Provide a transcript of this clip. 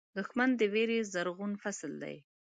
دښمن د وېرې زرغون فصل دی